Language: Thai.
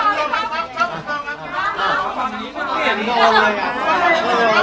อันนั้นจะเป็นภูมิแบบเมื่อ